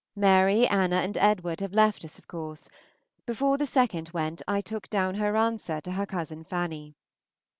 Mary, Anna, and Edward have left us of course; before the second went I took down her answer to her cousin Fanny.